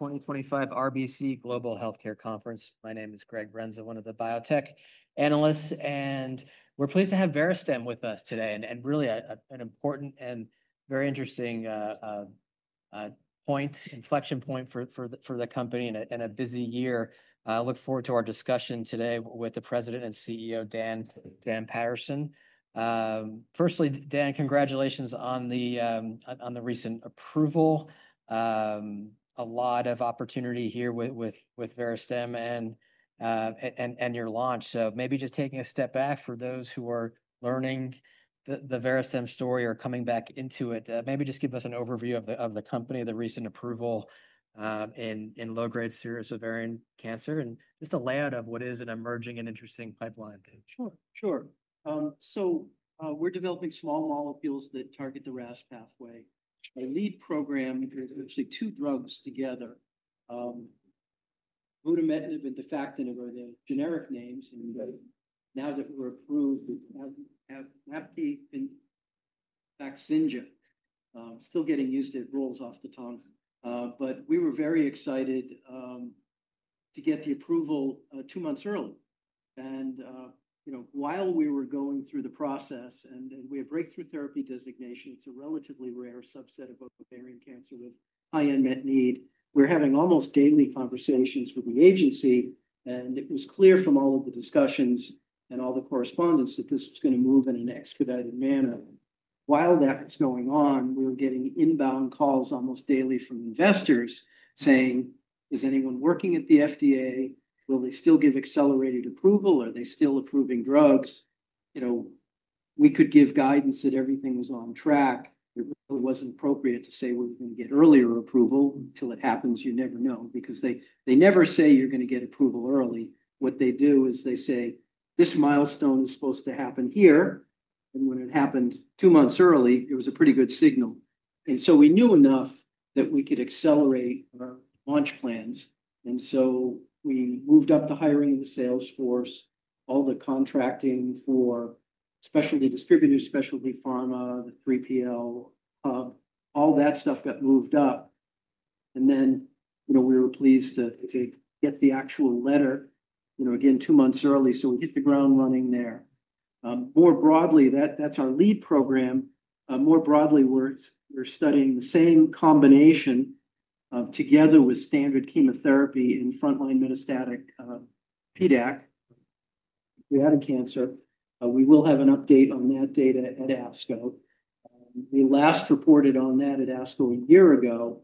2025 RBC Global Healthcare Conference. My name is Greg Renza, one of the biotech analysts, and we're pleased to have Verastem with us today. Really an important and very interesting point, inflection point for the company in a busy year. I look forward to our discussion today with the President and CEO, Dan Paterson. Firstly, Dan, congratulations on the recent approval. A lot of opportunity here with Verastem and your launch. Maybe just taking a step back for those who are learning the Verastem story or coming back into it, maybe just give us an overview of the company, the recent approval in low-grade serous ovarian cancer, and just a layout of what is an emerging and interesting pipeline. Sure, sure. We're developing small molecules that target the Ras pathway. A lead program is actually two drugs together, avutometinib and defactinib are the generic names. Now that we're approved, we have AVMAPKI FAKZYNJA CO-PACK. Still getting used to rolls off the tongue. We were very excited to get the approval two months early. While we were going through the process, and we have breakthrough therapy designation, it's a relatively rare subset of ovarian cancer with high unmet need. We're having almost daily conversations with the agency, and it was clear from all of the discussions and all the correspondence that this was going to move in an expedited manner. While that was going on, we were getting inbound calls almost daily from investors saying, "Is anyone working at the FDA? Will they still give accelerated approval? Are they still approving drugs? We could give guidance that everything was on track. It really was not appropriate to say we are going to get earlier approval. Until it happens, you never know, because they never say you are going to get approval early. What they do is they say, "This milestone is supposed to happen here." When it happened two months early, it was a pretty good signal. We knew enough that we could accelerate our launch plans. We moved up the hiring of the sales force, all the contracting for specialty distributors, specialty pharma, the 3PL hub, all that stuff got moved up. We were pleased to get the actual letter again two months early. We hit the ground running there. More broadly, that is our lead program. More broadly, we are studying the same combination together with standard chemotherapy in frontline metastatic PDAC. We had a cancer. We will have an update on that data at ASCO. We last reported on that at ASCO a year ago.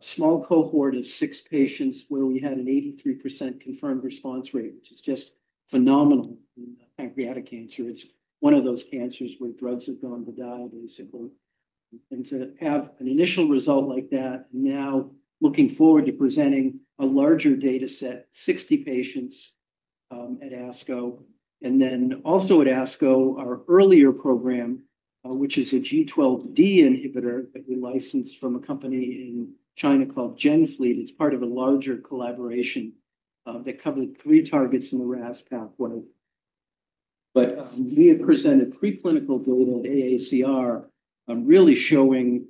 A small cohort of six patients, where we had an 83% confirmed response rate, which is just phenomenal in pancreatic cancer. It is one of those cancers where drugs have gone to die, basically. To have an initial result like that, and now looking forward to presenting a larger data set, 60 patients at ASCO. Also at ASCO, our earlier program, which is a G12D inhibitor that we licensed from a company in China called GenFleet. It is part of a larger collaboration that covered three targets in the Ras pathway. We have presented preclinical data at AACR, really showing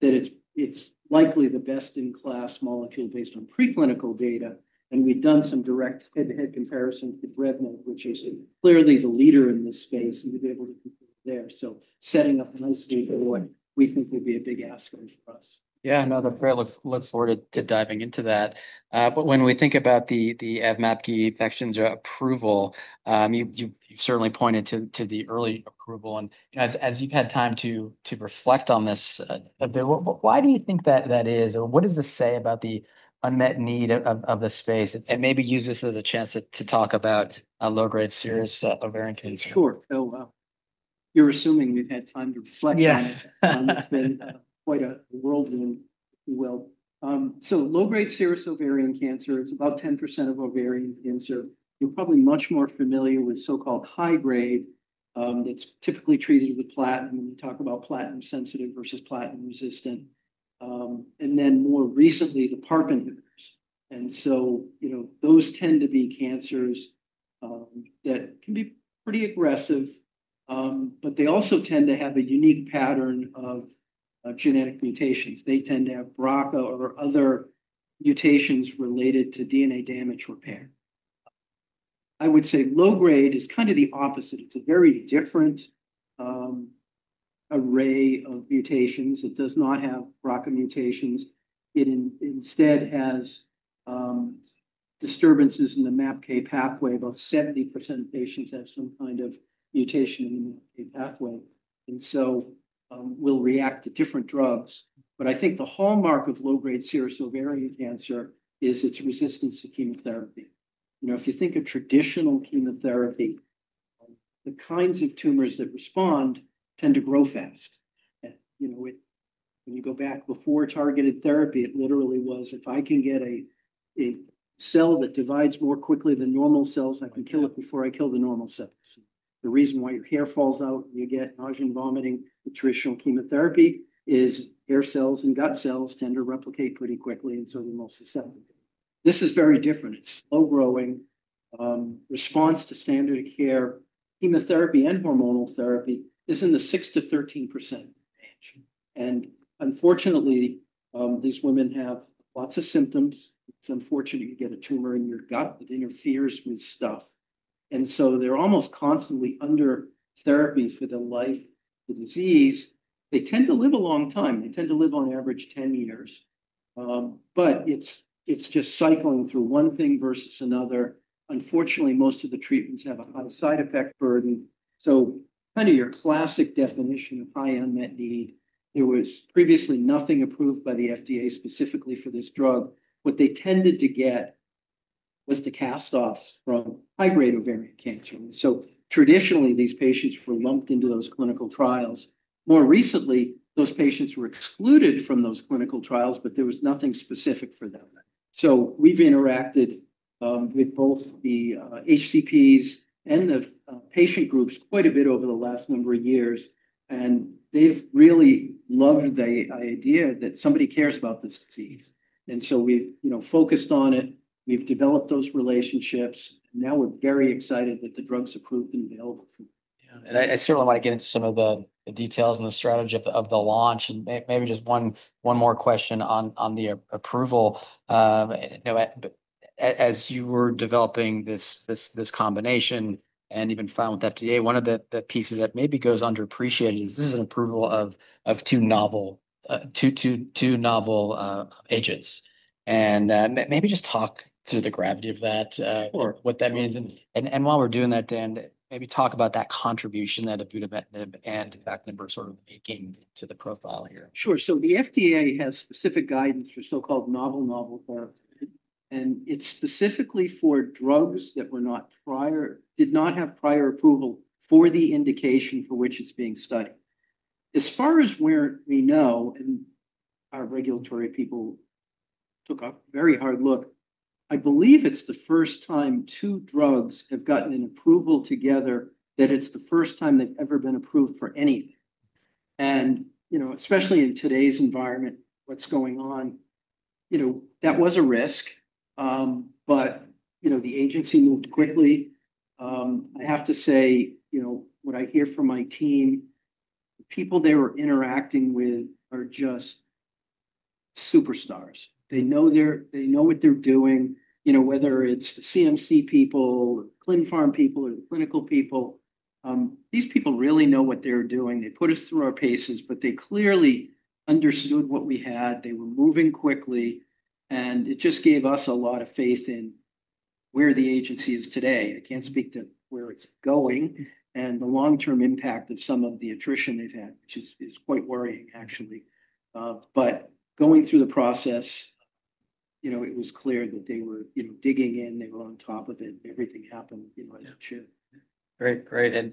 that it is likely the best in class molecule based on preclinical data. We have done some direct head-to-head comparisons with avutometinib, which is clearly the leader in this space, and we have been able to compete there. Setting up a nice data point, we think, will be a big ask for us. Yeah, I know that we're looking forward to diving into that. When we think about AVMAPKI FAKZYNJA approval, you've certainly pointed to the early approval. As you've had time to reflect on this, why do you think that is? What does this say about the unmet need of the space? Maybe use this as a chance to talk about low-grade serous ovarian cancer. Sure. So you're assuming we've had time to reflect on this. It's been quite a whirlwind, if you will. Low-grade serous ovarian cancer, it's about 10% of ovarian cancer. You're probably much more familiar with so-called high-grade. It's typically treated with platinum. We talk about platinum-sensitive versus platinum-resistant. More recently, the PARPs. Those tend to be cancers that can be pretty aggressive. They also tend to have a unique pattern of genetic mutations. They tend to have BRCA or other mutations related to DNA damage repair. I would say low-grade is kind of the opposite. It's a very different array of mutations. It does not have BRCA mutations. It instead has disturbances in the MAPK pathway. About 70% of patients have some kind of mutation in the MAPK pathway. We'll react to different drugs. I think the hallmark of low-grade serous ovarian cancer is its resistance to chemotherapy. If you think of traditional chemotherapy, the kinds of tumors that respond tend to grow fast. When you go back before targeted therapy, it literally was, "If I can get a cell that divides more quickly than normal cells, I can kill it before I kill the normal cells." The reason why your hair falls out, you get nausea and vomiting. Nutritional chemotherapy is hair cells and gut cells tend to replicate pretty quickly, and so they're more susceptible. This is very different. It's slow-growing response to standard care. Chemotherapy and hormonal therapy is in the 6%-13% range. Unfortunately, these women have lots of symptoms. It's unfortunate you get a tumor in your gut that interferes with stuff. They are almost constantly under therapy for the life of the disease. They tend to live a long time. They tend to live on average 10 years. It is just cycling through one thing versus another. Unfortunately, most of the treatments have a high side effect burden. Kind of your classic definition of high unmet need. There was previously nothing approved by the FDA specifically for this drug. What they tended to get was the cast-offs from high-grade ovarian cancer. Traditionally, these patients were lumped into those clinical trials. More recently, those patients were excluded from those clinical trials, but there was nothing specific for them. We have interacted with both the HCPs and the patient groups quite a bit over the last number of years. They have really loved the idea that somebody cares about this disease. We have focused on it. We have developed those relationships. Now we are very excited that the drug is approved and available. Yeah. I certainly want to get into some of the details and the strategy of the launch. Maybe just one more question on the approval. As you were developing this combination and even filing with the FDA, one of the pieces that maybe goes underappreciated is this is an approval of two novel agents. Maybe just talk through the gravity of that, what that means. While we're doing that, Dan, maybe talk about that contribution that avutometinib and defactinib are sort of making to the profile here. Sure. The FDA has specific guidance for so-called novel drugs. It is specifically for drugs that did not have prior approval for the indication for which it is being studied. As far as we know, and our regulatory people took a very hard look, I believe it is the first time two drugs have gotten an approval together that it is the first time they have ever been approved for anything. Especially in today's environment, what is going on, that was a risk. The agency moved quickly. I have to say, when I hear from my team, the people they were interacting with are just superstars. They know what they are doing, whether it is the CMC people, the ClinPharm people, or the clinical people. These people really know what they are doing. They put us through our paces, but they clearly understood what we had. They were moving quickly. It just gave us a lot of faith in where the agency is today. I can't speak to where it's going and the long-term impact of some of the attrition they've had, which is quite worrying, actually. Going through the process, it was clear that they were digging in. They were on top of it. Everything happened as it should. Great, great.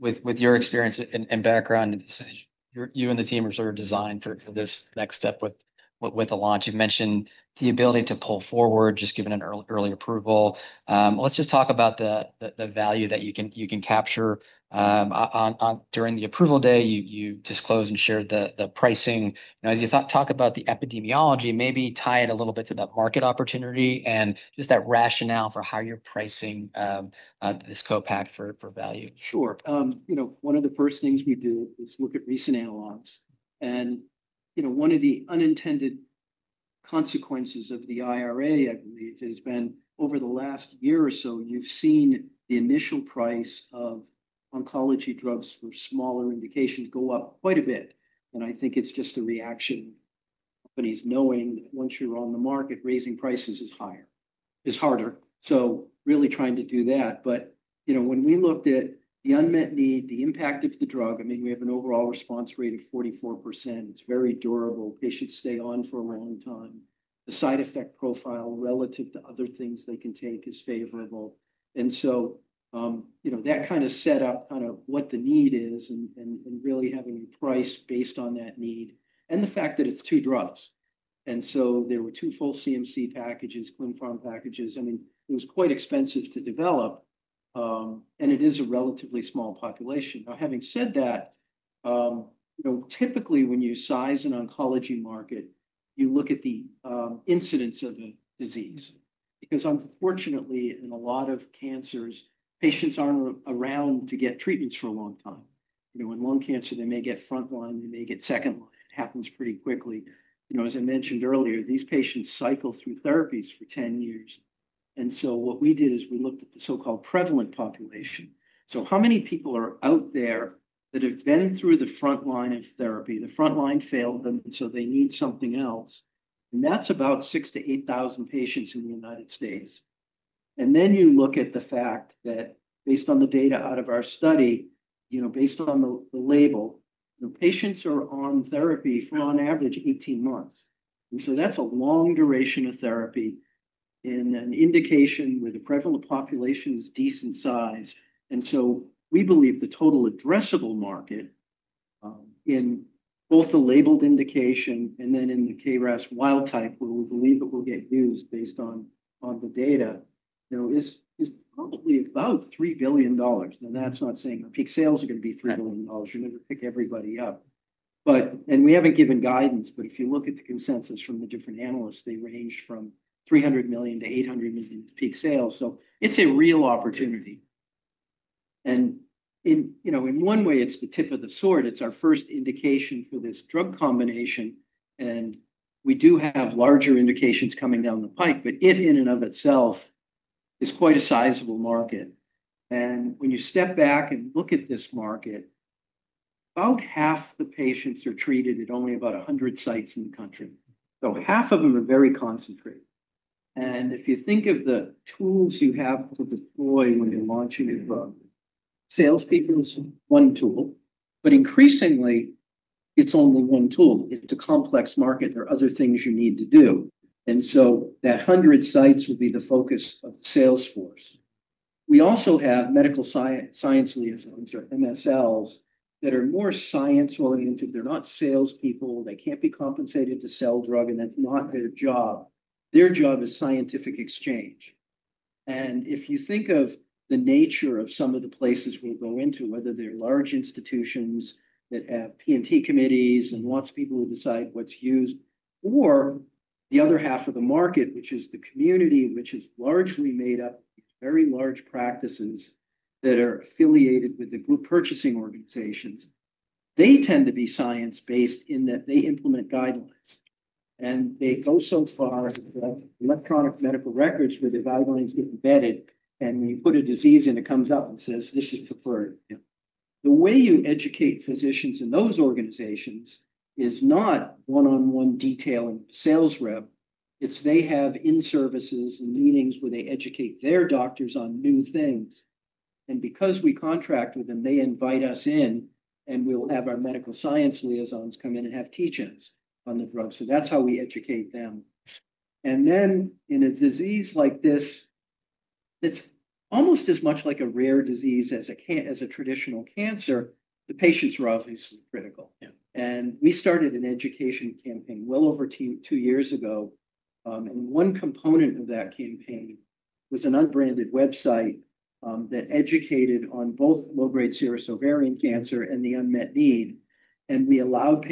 With your experience and background, you and the team are sort of designed for this next step with the launch. You have mentioned the ability to pull forward, just given an early approval. Let's just talk about the value that you can capture during the approval day. You disclosed and shared the pricing. Now, as you talk about the epidemiology, maybe tie it a little bit to that market opportunity and just that rationale for how you are pricing this CO-PACK for value. Sure. One of the first things we do is look at recent analogs. One of the unintended consequences of the IRA, I believe, has been over the last year or so, you've seen the initial price of oncology drugs for smaller indications go up quite a bit. I think it's just a reaction to companies knowing that once you're on the market, raising prices is harder. Really trying to do that. When we looked at the unmet need, the impact of the drug, I mean, we have an overall response rate of 44%. It's very durable. Patients stay on for a long time. The side effect profile relative to other things they can take is favorable. That kind of set up kind of what the need is and really having a price based on that need and the fact that it's two drugs. There were two full CMC packages, ClinPharm packages. I mean, it was quite expensive to develop. It is a relatively small population. Having said that, typically when you size an oncology market, you look at the incidence of the disease. Unfortunately, in a lot of cancers, patients are not around to get treatments for a long time. In lung cancer, they may get frontline. They may get secondline. It happens pretty quickly. As I mentioned earlier, these patients cycle through therapies for 10 years. What we did is we looked at the so-called prevalent population. How many people are out there that have been through the frontline of therapy? The frontline failed them, and they need something else. That is about 6,000 patients-8,000 patients in the United States. You look at the fact that based on the data out of our study, based on the label, patients are on therapy for on average 18 months. That is a long duration of therapy in an indication where the prevalent population is decent size. We believe the total addressable market in both the labeled indication and then in the KRAS wild-type, where we believe it will get used based on the data, is probably about $3 billion. That is not saying our peak sales are going to be $3 billion. You will never pick everybody up. We have not given guidance, but if you look at the consensus from the different analysts, they range from $300 million-$800 million peak sales. It is a real opportunity. In one way, it is the tip of the sword. It is our first indication for this drug combination. We do have larger indications coming down the pike, but it in and of itself is quite a sizable market. When you step back and look at this market, about half the patients are treated at only about 100 sites in the country. Half of them are very concentrated. If you think of the tools you have to deploy when you're launching a drug, salespeople's one tool. Increasingly, it's only one tool. It's a complex market. There are other things you need to do. That 100 sites will be the focus of the sales force. We also have medical science liaisons, or MSLs, that are more science-oriented. They're not salespeople. They can't be compensated to sell drug, and that's not their job. Their job is scientific exchange. If you think of the nature of some of the places we'll go into, whether they're large institutions that have P&T committees and lots of people who decide what's used, or the other half of the market, which is the community, which is largely made up of very large practices that are affiliated with the group purchasing organizations, they tend to be science-based in that they implement guidelines. They go so far as electronic medical records where the guidelines get embedded. When you put a disease in, it comes up and says, "This is preferred." The way you educate physicians in those organizations is not one-on-one detailing the sales rep. They have in-services and meetings where they educate their doctors on new things. Because we contract with them, they invite us in, and we will have our medical science liaisons come in and have teach-ins on the drugs. That is how we educate them. In a disease like this, that is almost as much like a rare disease as a traditional cancer, the patients are obviously critical. We started an education campaign well over two years ago. One component of that campaign was an unbranded website that educated on both low-grade serous ovarian cancer and the unmet need. We allowed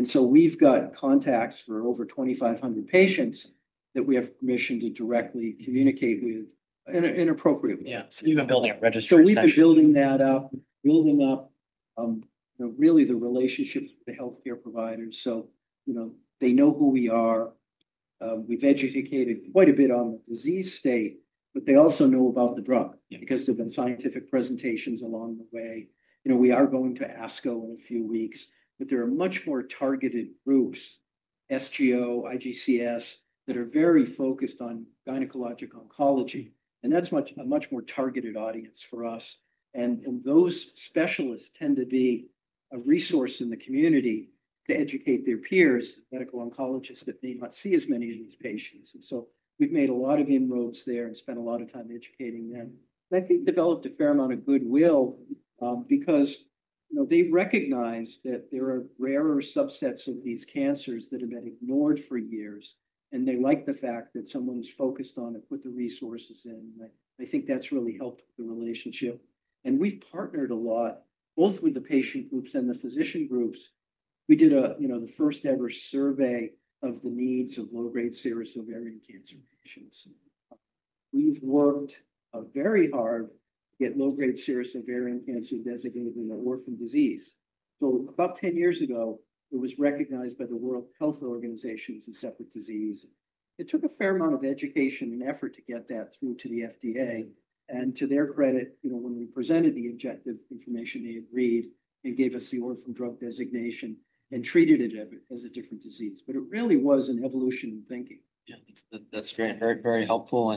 patients to sign up. We have contacts for over 2,500 patients that we have permission to directly communicate with appropriately. Yeah. So you've been building a registry system. We have been building that up, building up really the relationships with the healthcare providers. They know who we are. We have educated quite a bit on the disease state, but they also know about the drug because there have been scientific presentations along the way. We are going to ASCO in a few weeks, but there are much more targeted groups, SGO, IGCS, that are very focused on gynecologic oncology. That is a much more targeted audience for us. Those specialists tend to be a resource in the community to educate their peers, medical oncologists, that may not see as many of these patients. We have made a lot of inroads there and spent a lot of time educating them. I think developed a fair amount of goodwill because they recognize that there are rarer subsets of these cancers that have been ignored for years. They like the fact that someone's focused on it, put the resources in. I think that's really helped the relationship. We've partnered a lot, both with the patient groups and the physician groups. We did the first-ever survey of the needs of low-grade serous ovarian cancer patients. We've worked very hard to get low-grade serous ovarian cancer designated in the orphan disease. About 10 years ago, it was recognized by the World Health Organization as a separate disease. It took a fair amount of education and effort to get that through to the FDA. To their credit, when we presented the objective information, they agreed and gave us the orphan drug designation and treated it as a different disease. It really was an evolution in thinking. Yeah. That's very helpful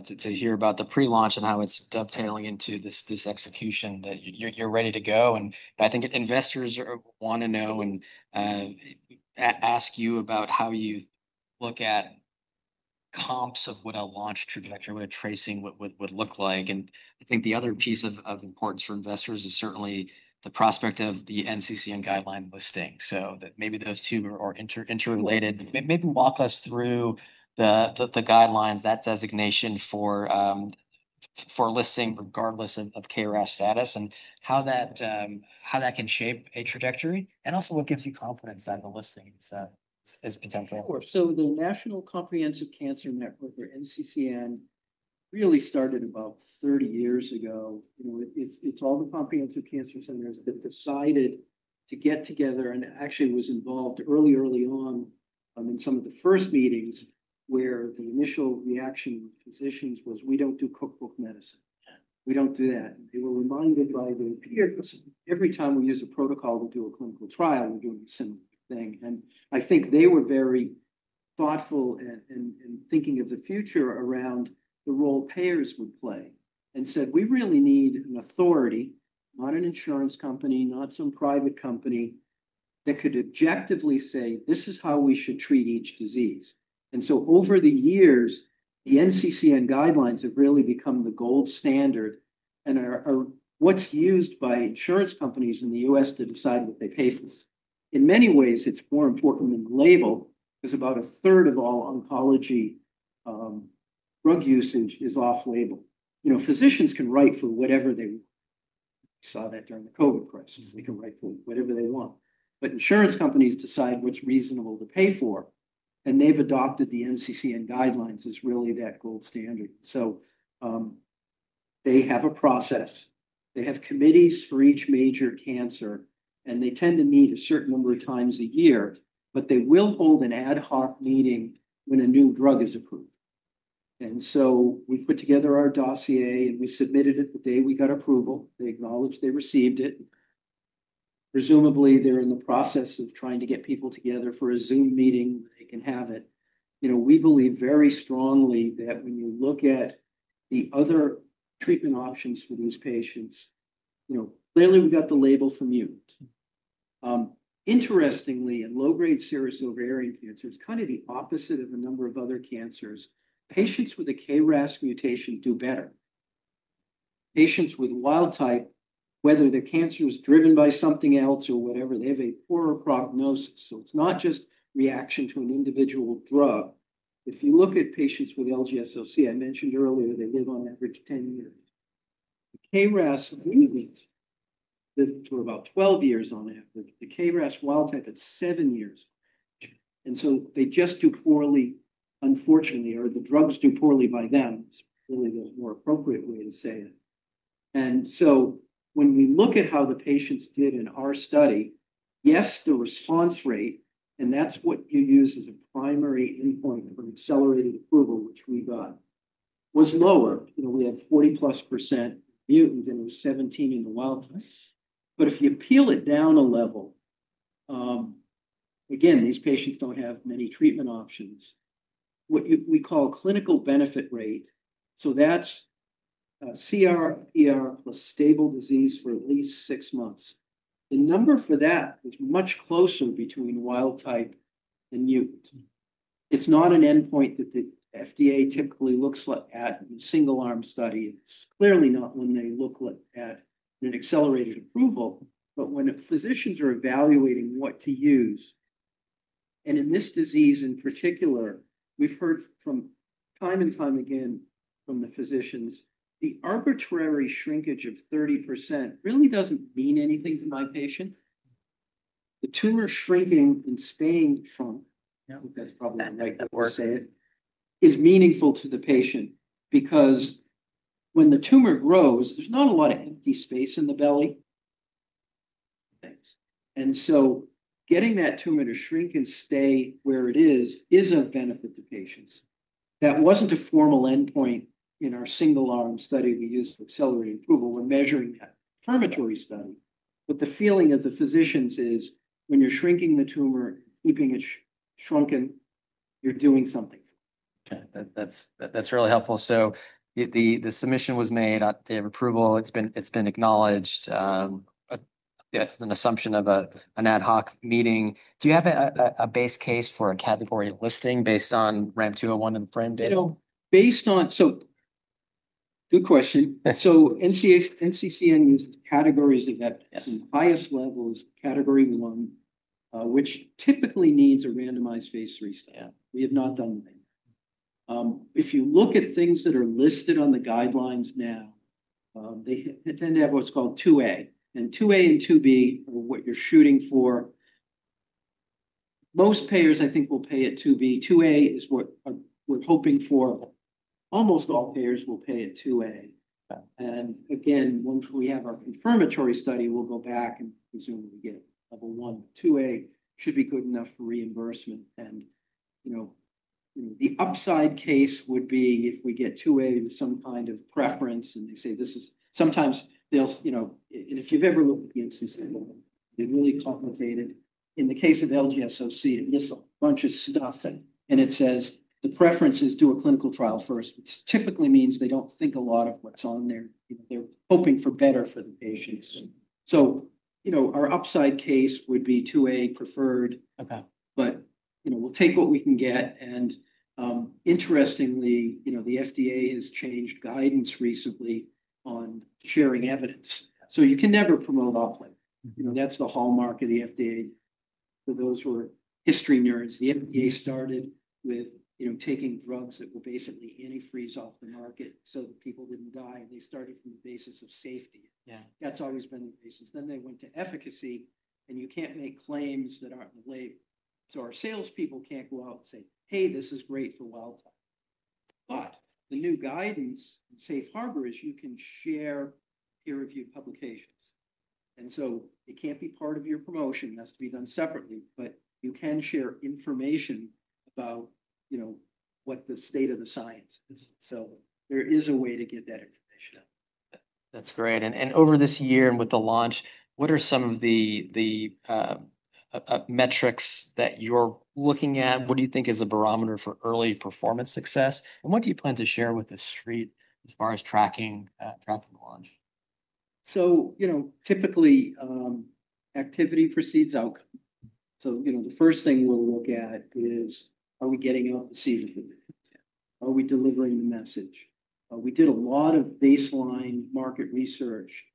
to hear about the pre-launch and how it's dovetailing into this execution that you're ready to go. I think investors want to know and ask you about how you look at comps of what a launch trajectory, what a tracing would look like. I think the other piece of importance for investors is certainly the prospect of the NCCN guideline listing. Maybe those two are interrelated. Maybe walk us through the guidelines, that designation for listing regardless of KRAS status and how that can shape a trajectory and also what gives you confidence that the listing is potential. Sure. The National Comprehensive Cancer Network, or NCCN, really started about 30 years ago. It's all the comprehensive cancer centers that decided to get together and actually was involved early, early on in some of the first meetings where the initial reaction of physicians was, "We don't do cookbook medicine. We don't do that." They were reminded by their peers, "Every time we use a protocol, we'll do a clinical trial. We're doing a similar thing. I think they were very thoughtful in thinking of the future around the role payers would play and said, "We really need an authority, not an insurance company, not some private company that could objectively say, 'This is how we should treat each disease.'" Over the years, the NCCN guidelines have really become the gold standard and are what's used by insurance companies in the U.S. to decide what they pay for. In many ways, it's more important than the label because about a third of all oncology drug usage is off-label. Physicians can write for whatever they want. We saw that during the COVID crisis. They can write for whatever they want. Insurance companies decide what's reasonable to pay for. They have adopted the NCCN guidelines as really that gold standard. They have a process. They have committees for each major cancer, and they tend to meet a certain number of times a year, but they will hold an ad hoc meeting when a new drug is approved. We put together our dossier, and we submitted it the day we got approval. They acknowledged they received it. Presumably, they are in the process of trying to get people together for a Zoom meeting where they can have it. We believe very strongly that when you look at the other treatment options for these patients, clearly we have got the label for mutant. Interestingly, in low-grade serous ovarian cancer, it is kind of the opposite of a number of other cancers. Patients with a KRAS mutation do better. Patients with wild-type, whether the cancer is driven by something else or whatever, they have a poorer prognosis. It is not just reaction to an individual drug. If you look at patients with LGSOC, I mentioned earlier, they live on average 10 years. The KRAS mutant lived for about 12 years on average. The KRAS wild-type at 7 years. They just do poorly, unfortunately, or the drugs do poorly by them. It is really the more appropriate way to say it. When we look at how the patients did in our study, yes, the response rate, and that is what you use as a primary endpoint for accelerated approval, which we got, was lower. We had 40%+ mutant, and it was 17% in the wild-type. If you peel it down a level, again, these patients do not have many treatment options. What we call clinical benefit rate, so that is CR PR plus Stable isease for at least six months. The number for that is much closer between wild-type and mutant. It's not an endpoint that the FDA typically looks at in a single-arm study. It's clearly not when they look at an accelerated approval, but when physicians are evaluating what to use. In this disease in particular, we've heard from time and time again from the physicians, the arbitrary shrinkage of 30% really doesn't mean anything to my patient. The tumor shrinking and staying shrunk, I think that's probably the right way to say it, is meaningful to the patient because when the tumor grows, there's not a lot of empty space in the belly. Getting that tumor to shrink and stay where it is is of benefit to patients. That wasn't a formal endpoint in our single-arm study we used for accelerated approval. We're measuring that. Affirmatory study. The feeling of the physicians is when you're shrinking the tumor, keeping it shrunken, you're doing something. Okay. That's really helpful. The submission was made. They have approval. It's been acknowledged. Yeah, an assumption of an ad hoc meeting. Do you have a base case for a category listing based on RAMP 201 and the FRAME data? Good question. NCCN uses categories of that. The highest level is category one, which typically needs a randomized phase III study. We have not done that yet. If you look at things that are listed on the guidelines now, they tend to have what's called 2A. 2A and 2B are what you're shooting for. Most payers, I think, will pay at 2B. 2A is what we're hoping for. Almost all payers will pay at 2A. Again, once we have our confirmatory study, we'll go back and presume we get level one. 2A should be good enough for reimbursement. The upside case would be if we get 2A with some kind of preference and they say, "This is sometimes they'll," and if you've ever looked at the NCCN, it's really complicated. In the case of LGSOC, it lists a bunch of stuff, and it says, "The preference is do a clinical trial first." It typically means they don't think a lot of what's on there. They're hoping for better for the patients. Our upside case would be 2A preferred, but we'll take what we can get. Interestingly, the FDA has changed guidance recently on sharing evidence. You can never promote all play. That's the hallmark of the FDA for those who are history nerds. The FDA started with taking drugs that were basically antifreeze off the market so that people didn't die. They started from the basis of safety. That's always been the basis. Then they went to efficacy, and you can't make claims that aren't related. Our salespeople can't go out and say, "Hey, this is great for wild-type." The new guidance in Safe Harbor is you can share peer-reviewed publications. It can't be part of your promotion. It has to be done separately, but you can share information about what the state of the science is. There is a way to get that information out. That's great. Over this year and with the launch, what are some of the metrics that you're looking at? What do you think is a barometer for early performance success? What do you plan to share with the street as far as tracking the launch? Typically, activity precedes outcome. The first thing we'll look at is, are we getting out to see the patients? Are we delivering the message? We did a lot of baseline market research.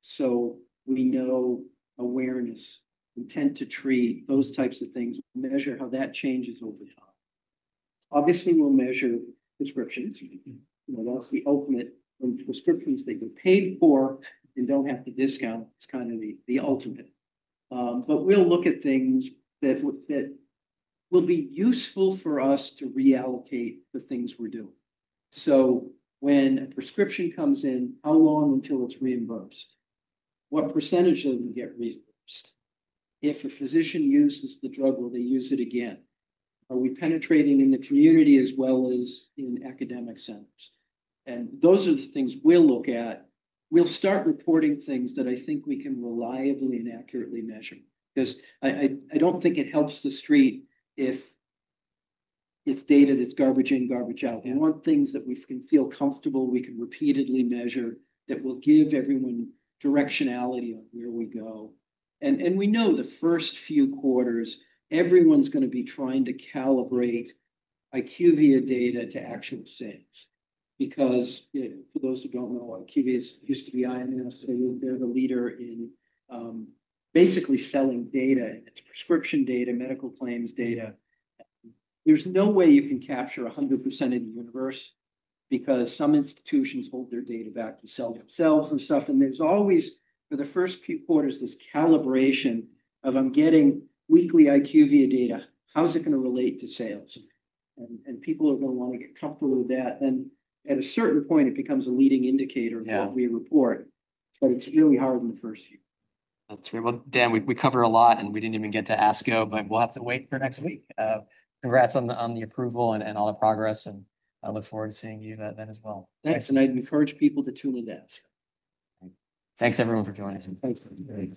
We know awareness. We tend to treat those types of things. We measure how that changes over time. Obviously, we'll measure prescriptions. That's the ultimate when prescriptions get paid for and don't have to discount. It's kind of the ultimate. We'll look at things that will be useful for us to reallocate the things we're doing. When a prescription comes in, how long until it's reimbursed? What percentage of them get reimbursed? If a physician uses the drug, will they use it again? Are we penetrating in the community as well as in academic centers? Those are the things we'll look at. We'll start reporting things that I think we can reliably and accurately measure because I don't think it helps the street if it's data that's garbage in, garbage out. We want things that we can feel comfortable we can repeatedly measure that will give everyone directionality on where we go. We know the first few quarters, everyone's going to be trying to calibrate IQVIA data to actual sales because for those who don't know, IQVIA used to be IMSA. They're the leader in basically selling data. It's prescription data, medical claims data. There's no way you can capture 100% of the universe because some institutions hold their data back to sell themselves and stuff. There's always, for the first few quarters, this calibration of, "I'm getting weekly IQVIA data. How's it going to relate to sales?" People are going to want to get comfortable with that. At a certain point, it becomes a leading indicator of what we report. It is really hard in the first year. That's [terrible]. Dan, we cover a lot, and we didn't even get to ASCO, but we'll have to wait for next week. Congrats on the approval and all the progress, and I look forward to seeing you then as well. Thanks. I'd encourage people to tune in to [ASCO]. Thanks, everyone, for joining us. Thanks.